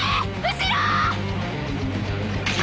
後ろ！